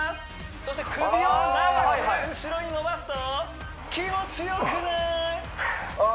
そして首を長く後ろに伸ばすとあ気持ちよくない？